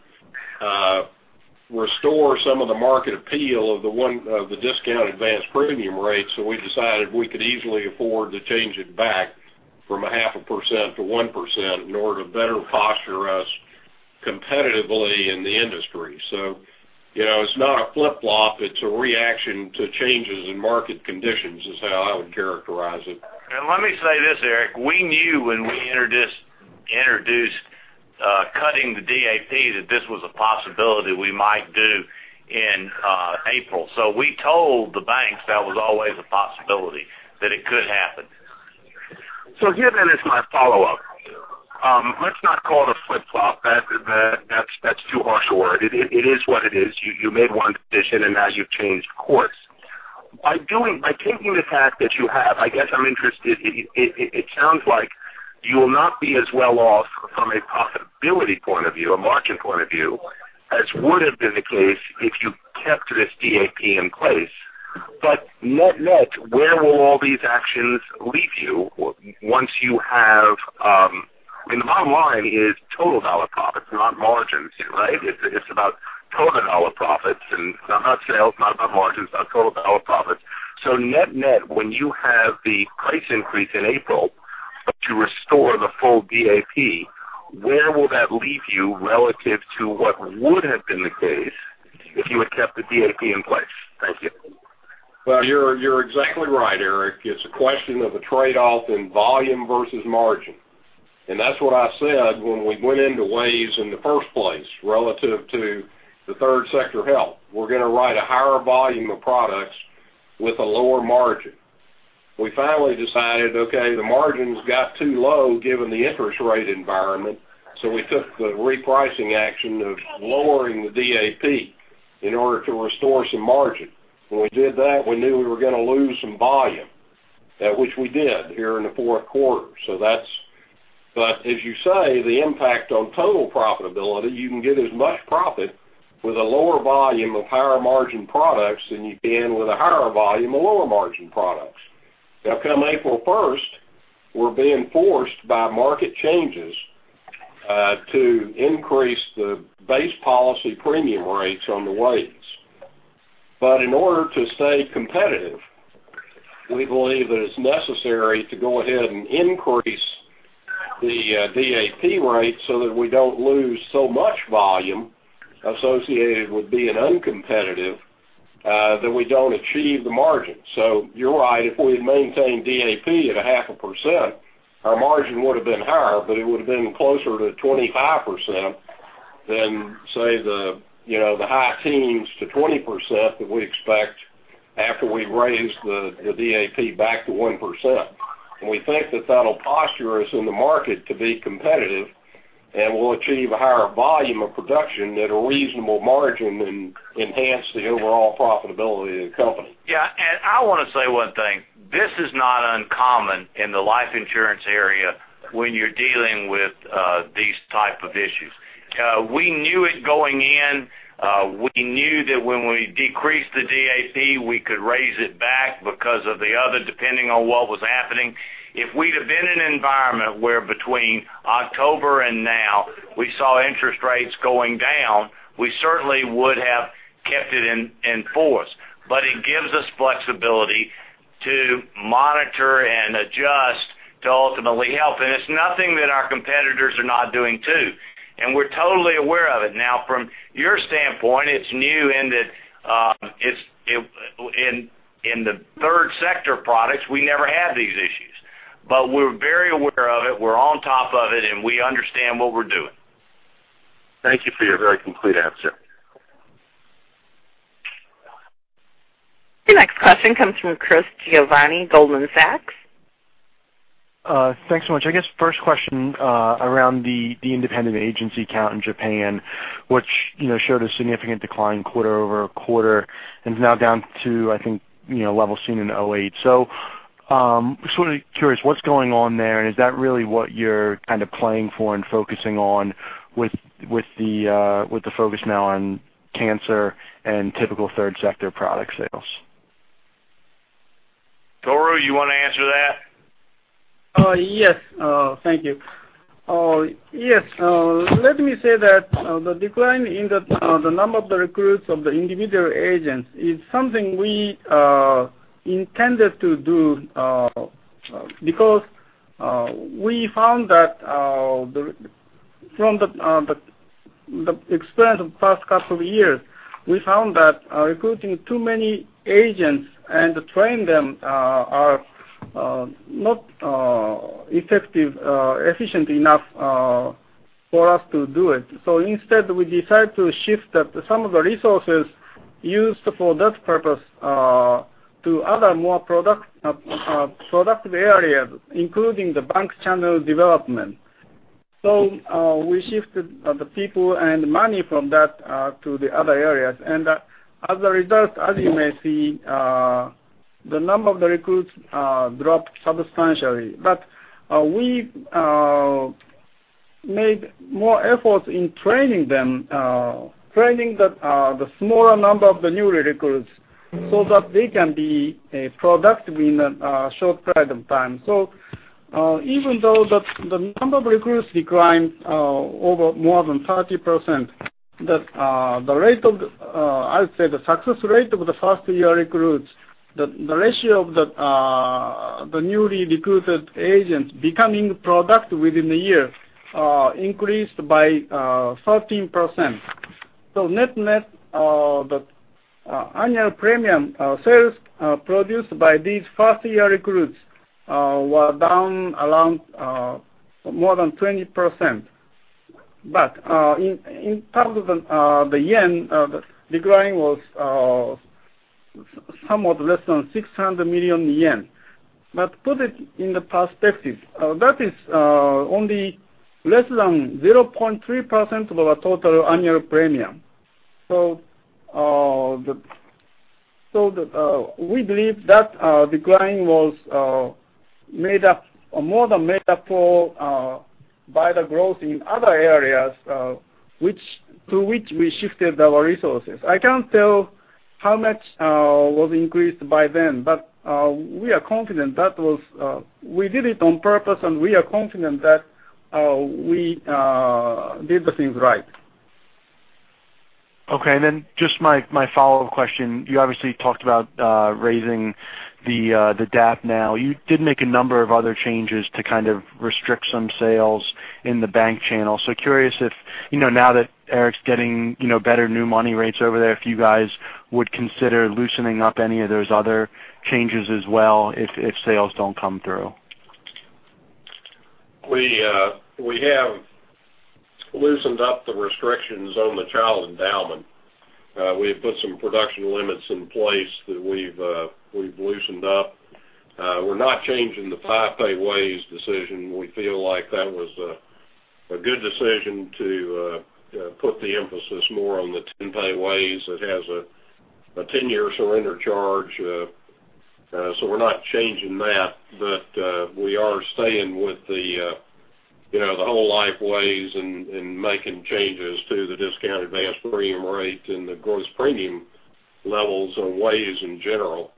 restore some of the market appeal of the discount advanced premium rate, so we decided we could easily afford to change it back from 0.5% to 1% in order to better posture us competitively in the industry. It's not a flip-flop, it's a reaction to changes in market conditions, is how I would characterize it. Let me say this, Eric. We knew when we introduced cutting the DAP that this was a possibility we might do in April. We told the banks that was always a possibility that it could happen. Given is my follow-up. Let's not call it a flip-flop. That's too harsh a word. It is what it is. You made one decision, and now you've changed course. By taking the path that you have, I guess I'm interested, it sounds like you will not be as well off from a profitability point of view, a margin point of view, as would have been the case if you kept this DAP in place. Net net, where will all these actions leave you? I mean, the bottom line is total dollar profits, not margins, right? It's about total dollar profits and not about sales, not about margins, about total dollar profits. Net net, when you have the price increase in April to restore the full DAP, where will that leave you relative to what would have been the case if you had kept the DAP in place? Thank you. Well, you're exactly right, Eric. It's a question of a trade-off in volume versus margin. That's what I said when we went into WAYS in the first place relative to the third sector health. We're going to write a higher volume of products with a lower margin. We finally decided, okay, the margins got too low given the interest rate environment. We took the repricing action of lowering the DAP in order to restore some margin. When we did that, we knew we were going to lose some volume, which we did here in the fourth quarter. As you say, the impact on total profitability, you can get as much profit with a lower volume of higher margin products than you can with a higher volume of lower margin products. Now, come April 1st, we're being forced by market changes to increase the base policy premium rates on the WAYS. In order to stay competitive, we believe that it's necessary to go ahead and increase the DAP rate so that we don't lose so much volume associated with being uncompetitive that we don't achieve the margin. You're right. If we maintain DAP at a half a percent, our margin would have been higher, but it would have been closer to 25% than say the high teens to 20% that we expect after we raise the DAP back to 1%. We think that that'll posture us in the market to be competitive and we'll achieve a higher volume of production at a reasonable margin and enhance the overall profitability of the company. I want to say one thing. This is not uncommon in the life insurance area when you're dealing with these type of issues. We knew it going in. We knew that when we decreased the DAP, we could raise it back because of the other, depending on what was happening. If we'd have been in an environment where between October and now we saw interest rates going down, we certainly would have kept it in force. It gives us flexibility to monitor and adjust to ultimately help. It's nothing that our competitors are not doing too, and we're totally aware of it. Now, from your standpoint, it's new in that in the third sector products, we never had these issues. We're very aware of it. We're on top of it, and we understand what we're doing. Thank you for your very complete answer. Your next question comes from Christopher Giovanni, Goldman Sachs. Thanks so much. I guess first question around the independent agency count in Japan, which showed a significant decline quarter-over-quarter and is now down to, I think, levels seen in 2008. Just really curious, what's going on there, and is that really what you're kind of playing for and focusing on with the focus now on cancer and typical third sector product sales? Tohru, you want to answer that? Yes. Thank you. Yes. Let me say that the decline in the number of the recruits of the individual agents is something we intended to do because from the experience of the past couple of years, we found that recruiting too many agents and to train them are not effective, efficient enough for us to do it. Instead, we decided to shift some of the resources used for that purpose to other more productive areas, including the bank channel development. We shifted the people and money from that to the other areas. As a result, as you may see, the number of the recruits dropped substantially. We made more efforts in training them, training the smaller number of the new recruits so that they can be productive in a short period of time. Even though the number of recruits declined over more than 30%, I would say the success rate of the first year recruits, the ratio of the newly recruited agents becoming productive within a year increased by 13%. Net-net, the annual premium sales produced by these first-year recruits were down around more than 20%. In terms of the yen, the decline was somewhat less than 600 million yen. Put it in the perspective, that is only less than 0.3% of our total annual premium. We believe that decline was more than made up for by the growth in other areas to which we shifted our resources. I can't tell how much was increased by them, but we did it on purpose, and we are confident that we did the things right. Okay. Just my follow-up question. You obviously talked about raising the DAP now. You did make a number of other changes to kind of restrict some sales in the bank channel. Curious if, now that Eric's getting better new money rates over there, if you guys would consider loosening up any of those other changes as well if sales don't come through. We have loosened up the restrictions on the child endowment. We have put some production limits in place that we've loosened up. We're not changing the 5-pay WAYS decision. We feel like that was a good decision to put the emphasis more on the 10-pay WAYS that has a 10-year surrender charge. We're not changing that, but we are staying with the whole life WAYS and making changes to the discount advanced premium rate and the gross premium levels on WAYS in general.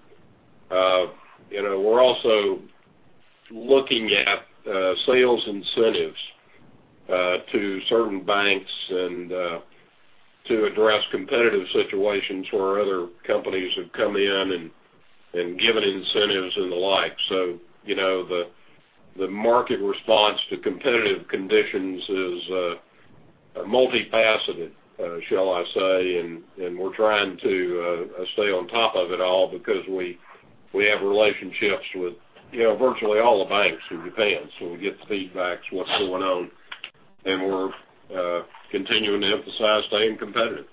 We're also looking at sales incentives to certain banks and to address competitive situations where other companies have come in and given incentives and the like. The market response to competitive conditions is multifaceted, shall I say, and we're trying to stay on top of it all because we have relationships with virtually all the banks in Japan. We get the feedbacks, what's going on, and we're continuing to emphasize staying competitive.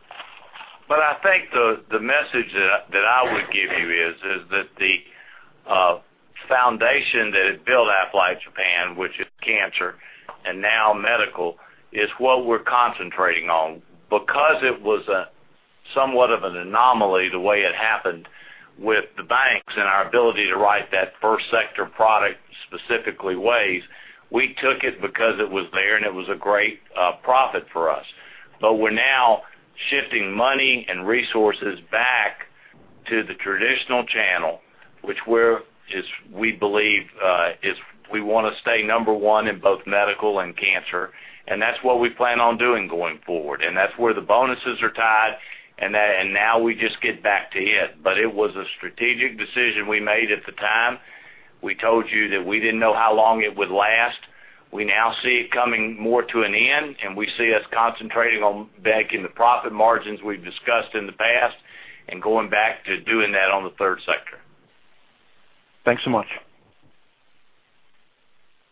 I think the message that I would give you is that the foundation that had built Aflac Japan, which is cancer and now medical, is what we're concentrating on. It was somewhat of an anomaly the way it happened with the banks and our ability to write that first sector product, specifically WAYS, we took it because it was there, and it was a great profit for us. We're now shifting money and resources back to the traditional channel, which we believe is we want to stay number 1 in both medical and cancer, and that's what we plan on doing going forward. That's where the bonuses are tied, and now we just get back to it. It was a strategic decision we made at the time. We told you that we didn't know how long it would last. We now see it coming more to an end, and we see us concentrating on banking the profit margins we've discussed in the past and going back to doing that on the third sector. Thanks so much.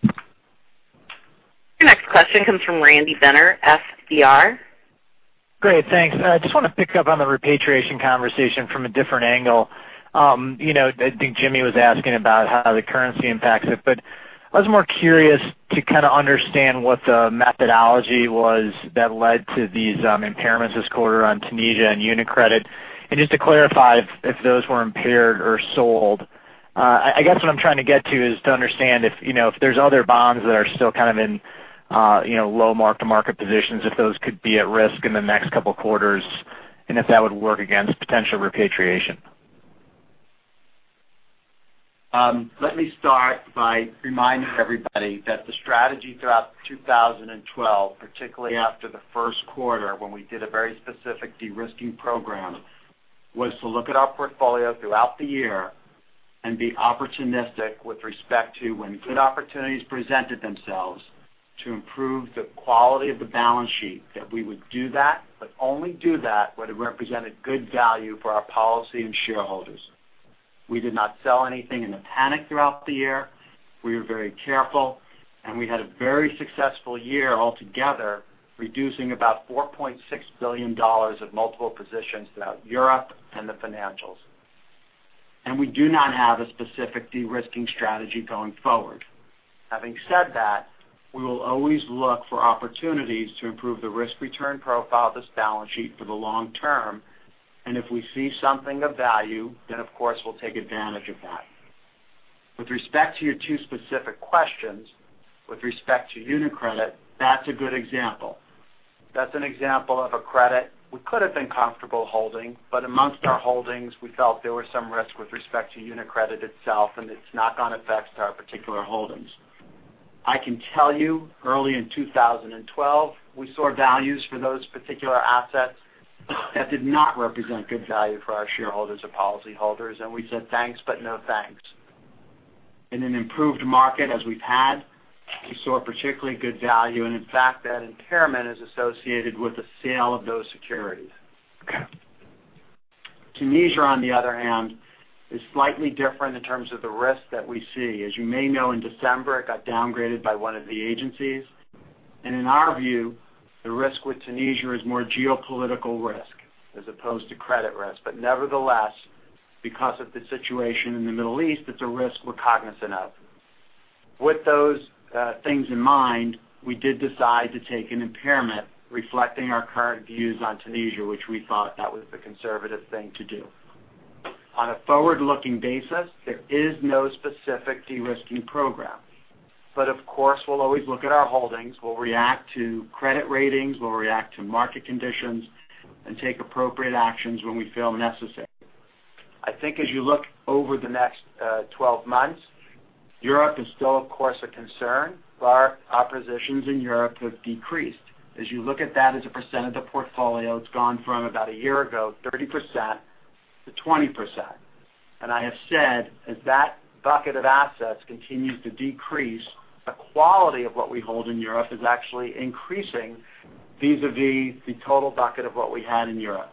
Your next question comes from Randy Binner, FBR. Great. Thanks. I just want to pick up on the repatriation conversation from a different angle. I think Jimmy was asking about how the currency impacts it, but I was more curious to kind of understand what the methodology was that led to these impairments this quarter on Tunisia and UniCredit. Just to clarify if those were impaired or sold. I guess what I'm trying to get to is to understand if there's other bonds that are still kind of in low mark-to-market positions, if those could be at risk in the next couple of quarters, and if that would work against potential repatriation. Let me start by reminding everybody that the strategy throughout 2012, particularly after the first quarter, when we did a very specific de-risking program, was to look at our portfolio throughout the year and be opportunistic with respect to when good opportunities presented themselves to improve the quality of the balance sheet, that we would do that, but only do that when it represented good value for our policy and shareholders. We did not sell anything in a panic throughout the year. We were very careful, and we had a very successful year altogether, reducing about JPY 4.6 billion of multiple positions throughout Europe and the financials. We do not have a specific de-risking strategy going forward. Having said that, we will always look for opportunities to improve the risk-return profile of this balance sheet for the long term. If we see something of value, then of course, we'll take advantage of that. With respect to your two specific questions, with respect to UniCredit, that's a good example. That's an example of a credit we could have been comfortable holding, but amongst our holdings, we felt there was some risk with respect to UniCredit itself and its knock-on effects to our particular holdings. I can tell you, early in 2012, we saw values for those particular assets that did not represent good value for our shareholders or policyholders, and we said, "Thanks, but no thanks." In an improved market as we've had, we saw particularly good value, and in fact, that impairment is associated with the sale of those securities. Tunisia, on the other hand, is slightly different in terms of the risk that we see. As you may know, in December, it got downgraded by one of the agencies. In our view, the risk with Tunisia is more geopolitical risk as opposed to credit risk. Nevertheless, because of the situation in the Middle East, it's a risk we're cognizant of. With those things in mind, we did decide to take an impairment reflecting our current views on Tunisia, which we thought that was the conservative thing to do. On a forward-looking basis, there is no specific de-risking program. Of course, we'll always look at our holdings. We'll react to credit ratings, we'll react to market conditions, and take appropriate actions when we feel necessary. I think as you look over the next 12 months, Europe is still, of course, a concern. Our positions in Europe have decreased. As you look at that as a percent of the portfolio, it's gone from about a year ago, 30% to 20%. I have said, as that bucket of assets continues to decrease, the quality of what we hold in Europe is actually increasing vis-à-vis the total bucket of what we had in Europe.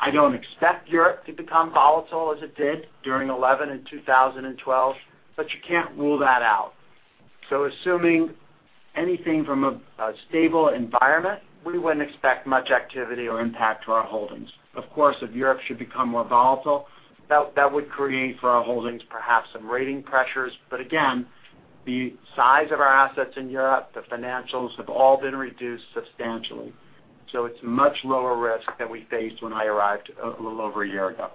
I don't expect Europe to become volatile as it did during 2011 and 2012, but you can't rule that out. Assuming anything from a stable environment, we wouldn't expect much activity or impact to our holdings. Of course, if Europe should become more volatile, that would create for our holdings perhaps some rating pressures. Again, the size of our assets in Europe, the financials have all been reduced substantially. It's much lower risk than we faced when I arrived a little over a year ago.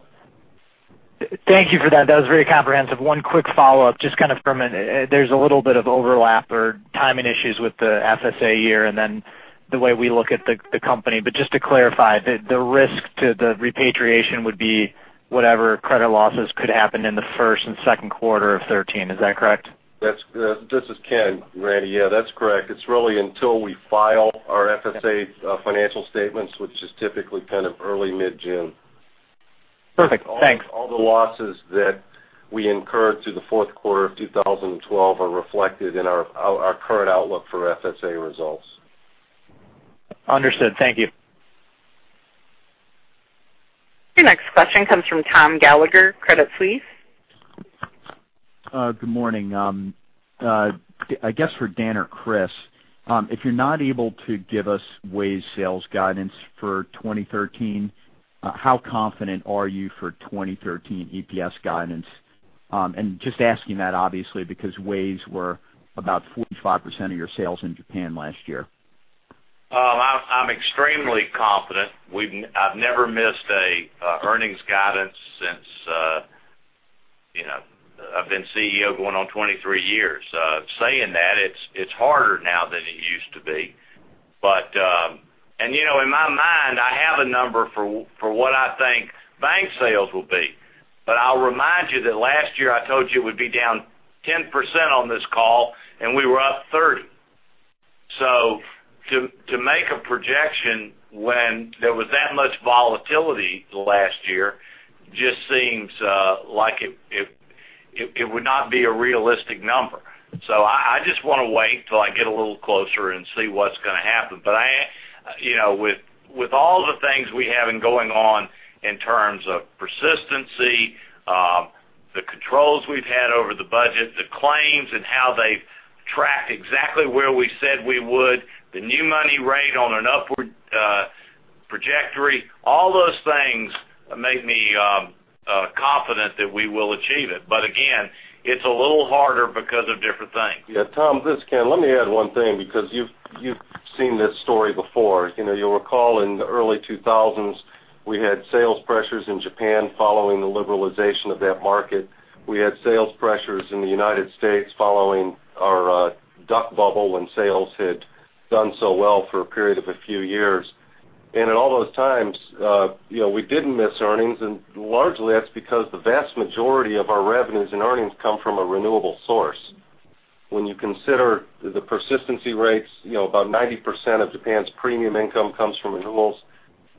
Thank you for that. That was very comprehensive. One quick follow-up. There's a little bit of overlap or timing issues with the FSA year and then the way we look at the company. Just to clarify, the risk to the repatriation would be whatever credit losses could happen in the first and second quarter of 2013. Is that correct? This is Ken, Randy. Yeah, that's correct. It's really until we file our FSA financial statements, which is typically kind of early, mid-June. Perfect. Thanks. All the losses that we incurred through the fourth quarter of 2012 are reflected in our current outlook for FSA results. Understood. Thank you. Your next question comes from Thomas Gallagher, Credit Suisse. Good morning. I guess for Dan or Chris, if you're not able to give us WAYS sales guidance for 2013, how confident are you for 2013 EPS guidance? Just asking that, obviously, because WAYS were about 45% of your sales in Japan last year. I'm extremely confident. I've never missed an earnings guidance since I've been CEO going on 23 years. Saying that, it's harder now than it used to be. In my mind, I have a number for what I think bank sales will be. I'll remind you that last year I told you it would be down 10% on this call, and we were up 30. To make a projection when there was that much volatility last year just seems like it would not be a realistic number. I just want to wait till I get a little closer and see what's going to happen. With all the things we have been going on in terms of persistency, the controls we've had over the budget, the claims, and how they've tracked exactly where we said we would, the new money rate on an upward trajectory, all those things make me confident that we will achieve it. Again, it's a little harder because of different things. Tom, this is Ken. Let me add one thing because you've seen this story before. You'll recall in the early 2000s, we had sales pressures in Japan following the liberalization of that market. We had sales pressures in the U.S. following our dot-bubble when sales had done so well for a period of a few years. In all those times, we didn't miss earnings, and largely that's because the vast majority of our revenues and earnings come from a renewable source. When you consider the persistency rates, about 90% of Japan's premium income comes from renewals,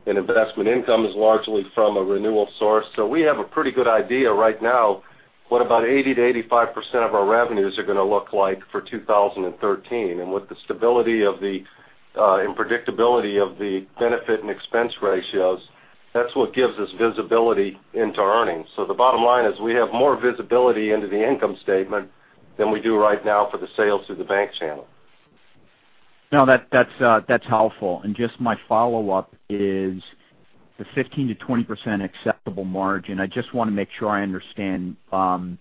and investment income is largely from a renewal source. We have a pretty good idea right now what about 80%-85% of our revenues are going to look like for 2013. With the stability and predictability of the benefit and expense ratios, that's what gives us visibility into earnings. The bottom line is we have more visibility into the income statement than we do right now for the sales through the bank channel. No, that's helpful. My follow-up is the 15%-20% acceptable margin. I just want to make sure I understand the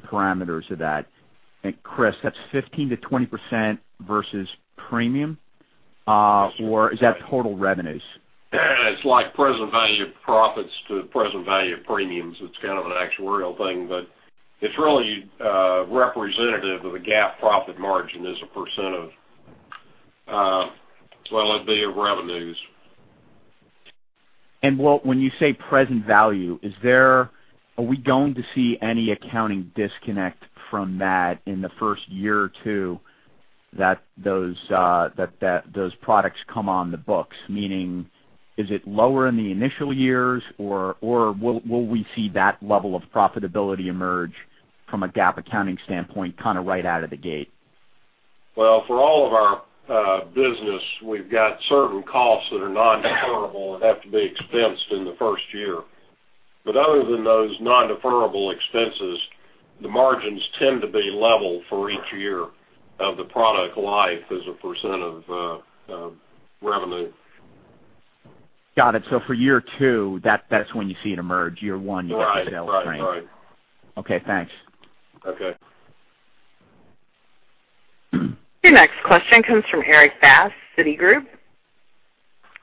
parameters of that. Chris, that's 15%-20% versus premium, or is that total revenues? It's like present value of profits to present value of premiums. It's kind of an actuarial thing, but it's really representative of a GAAP profit margin as a % of, well, it'd be of revenues. When you say present value, are we going to see any accounting disconnect from that in the first year or two that those products come on the books, meaning is it lower in the initial years, or will we see that level of profitability emerge from a GAAP accounting standpoint kind of right out of the gate? Well, for all of our business, we've got certain costs that are non-deferrable and have to be expensed in the first year. Other than those non-deferrable expenses, the margins tend to be level for each year of the product life as a % of revenue. Got it. For year two, that's when you see it emerge. Year one, you get the sales strain. Right. Okay, thanks. Okay. Your next question comes from Erik Bass, Citigroup.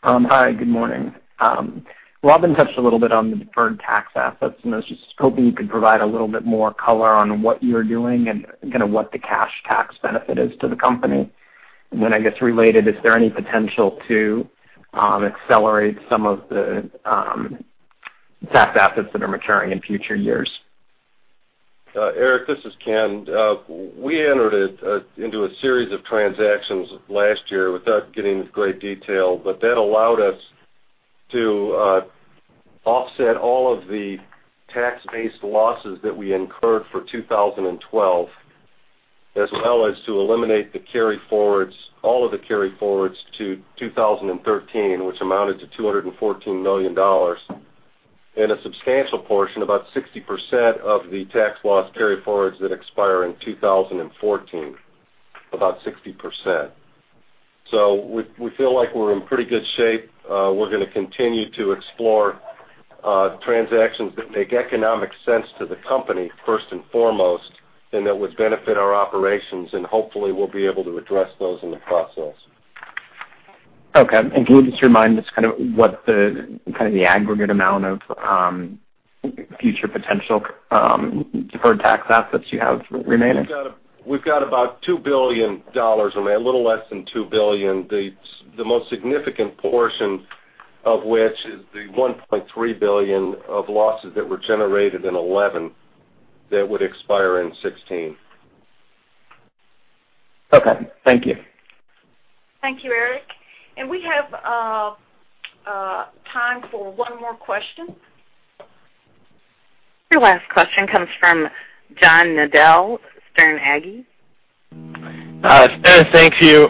Hi, good morning. Robin touched a little bit on the deferred tax assets, I was just hoping you could provide a little bit more color on what you're doing and kind of what the cash tax benefit is to the company. Then I guess related, is there any potential to accelerate some of the tax assets that are maturing in future years? Eric, this is Ken. That allowed us to offset all of the tax-based losses that we incurred for 2012, as well as to eliminate all of the carryforwards to 2013, which amounted to $214 million, and a substantial portion, about 60%, of the tax loss carryforwards that expire in 2014, about 60%. We feel like we're in pretty good shape. We're going to continue to explore transactions that make economic sense to the company first and foremost. That would benefit our operations, and hopefully we'll be able to address those in the process. Okay. Can you just remind us what the aggregate amount of future potential deferred tax assets you have remaining? We've got about $2 billion, a little less than $2 billion, the most significant portion of which is the $1.3 billion of losses that were generated in 2011 that would expire in 2016. Okay. Thank you. Thank you, Eric. We have time for one more question. Your last question comes from John Nadel, Sterne Agee. Thank you.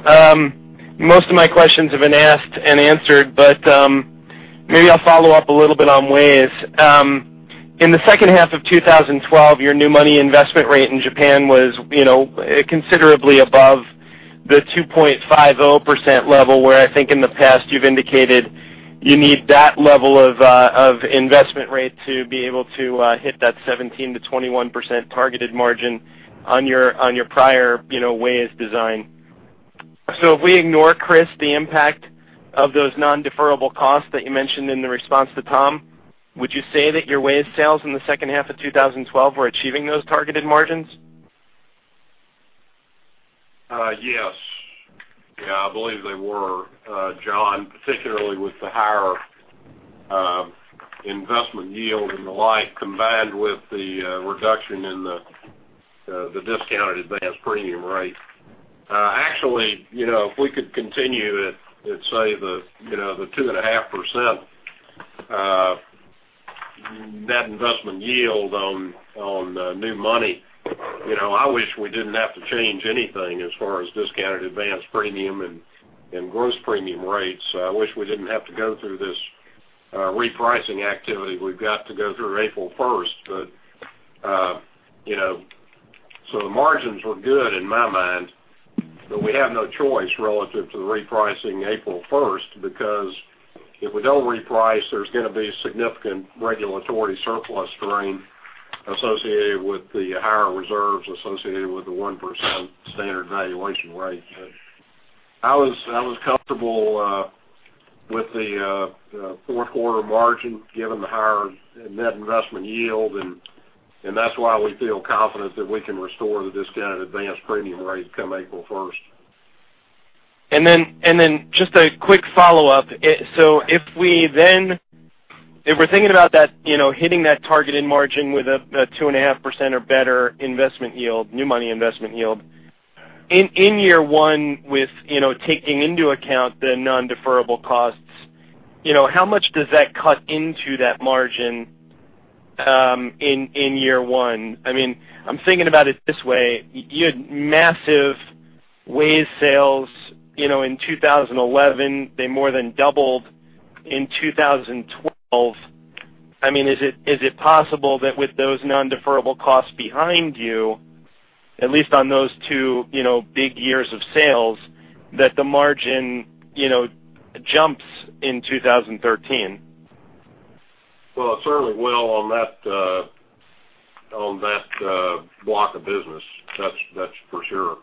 Maybe I'll follow up a little bit on WAYS. In the second half of 2012, your new money investment rate in Japan was considerably above the 2.50% level, where I think in the past you've indicated you need that level of investment rate to be able to hit that 17%-21% targeted margin on your prior WAYS design. If we ignore, Kriss, the impact of those non-deferrable costs that you mentioned in the response to Thomas, would you say that your WAYS sales in the second half of 2012 were achieving those targeted margins? Yes. I believe they were, John, particularly with the higher Investment yield and the like, combined with the reduction in the discounted advanced premium rate. Actually, if we could continue at, let's say, the 2.5% net investment yield on new money, I wish we didn't have to change anything as far as discounted advanced premium and gross premium rates. I wish we didn't have to go through this repricing activity we've got to go through April 1st. The margins were good in my mind, but we have no choice relative to the repricing April 1st, because if we don't reprice, there's going to be significant regulatory surplus drain associated with the higher reserves associated with the 1% standard valuation rate. I was comfortable with the fourth quarter margin, given the higher net investment yield, that's why we feel confident that we can restore the discounted advanced premium rate come April 1st. Just a quick follow-up. If we're thinking about hitting that targeted margin with a 2.5% or better new money investment yield, in year one, with taking into account the non-deferrable costs, how much does that cut into that margin in year one? I'm thinking about it this way: you had massive WAYS sales in 2011. They more than doubled in 2012. Is it possible that with those non-deferrable costs behind you, at least on those two big years of sales, that the margin jumps in 2013? Well, it certainly will on that block of business, that's for sure.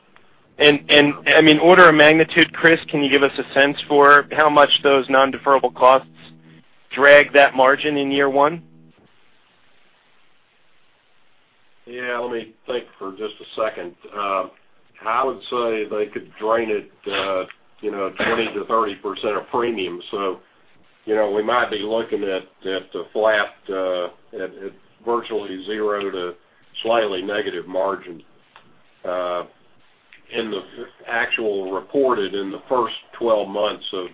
Order of magnitude, Chris, can you give us a sense for how much those non-deferrable costs drag that margin in year one? Yeah, let me think for just a second. I would say they could drain it 20%-30% of premium. We might be looking at virtually zero to slightly negative margin in the actual reported in the first 12 months of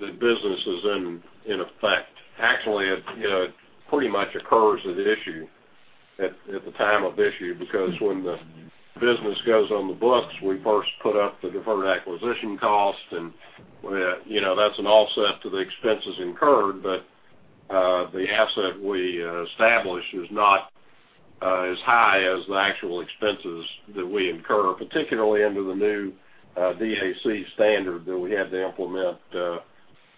the businesses in effect. Actually, it pretty much occurs at issue, at the time of issue, because when the business goes on the books, we first put up the deferred acquisition cost, and that's an offset to the expenses incurred. The asset we establish is not as high as the actual expenses that we incur, particularly under the new DAC standard that we had to implement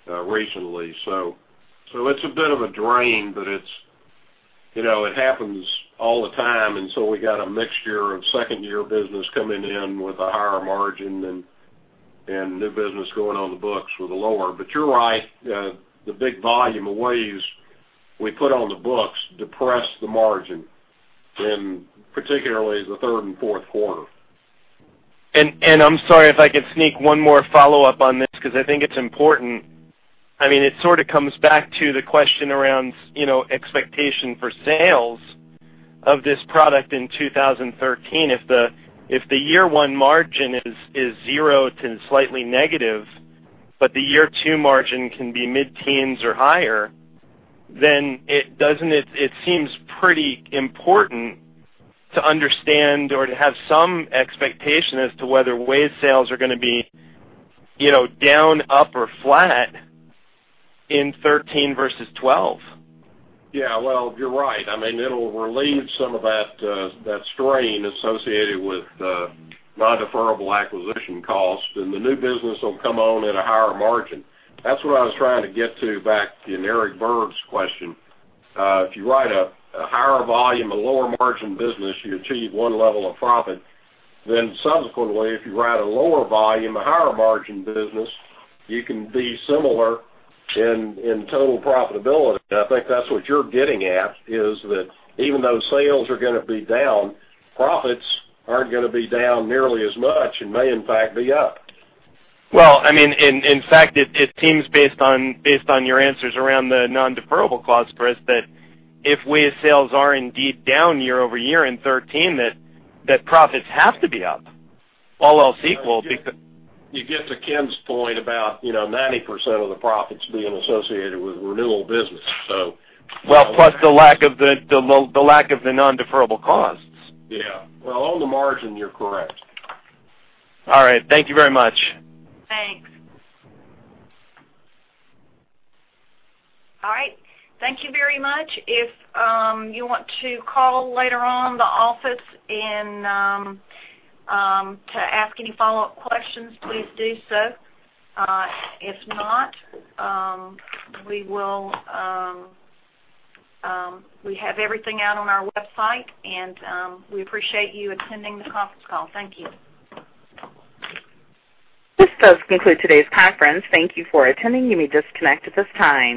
recently. It's a bit of a drain, but it happens all the time, we got a mixture of second-year business coming in with a higher margin and new business going on the books with a lower. You're right, the big volume of WAYS we put on the books depressed the margin in particularly the third and fourth quarter. I'm sorry if I could sneak one more follow-up on this, because I think it's important. It sort of comes back to the question around expectation for sales of this product in 2013. If the year one margin is zero to slightly negative, but the year two margin can be mid-teens or higher, then it seems pretty important to understand or to have some expectation as to whether WAYS sales are going to be down, up, or flat in 2013 versus 2012. Yeah, well, you're right. It'll relieve some of that strain associated with non-deferrable acquisition costs, the new business will come on at a higher margin. That's what I was trying to get to back to Eric Berg's question. If you write a higher volume, a lower margin business, you achieve one level of profit. Subsequently, if you write a lower volume, a higher margin business, you can be similar in total profitability. I think that's what you're getting at, is that even though sales are going to be down, profits aren't going to be down nearly as much and may, in fact, be up. Well, in fact, it seems based on your answers around the non-deferrable costs, Chris, that if WAYS sales are indeed down year-over-year in 2013, that profits have to be up, all else equal. You get to Ken's point about 90% of the profits being associated with renewal business. Well, plus the lack of the non-deferrable costs. Yeah. Well, on the margin, you're correct. All right. Thank you very much. Thanks. All right. Thank you very much. If you want to call later on the office to ask any follow-up questions, please do so. If not, we have everything out on our website. We appreciate you attending this conference call. Thank you. This does conclude today's conference. Thank you for attending. You may disconnect at this time.